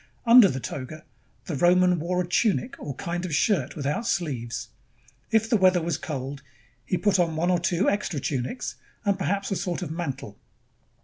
Under the toga, the Roman wore a tunic, or kind of shirt without sleeves. If the weather was cold, he put on one or two extra tunics, and perhaps a sort of mantle.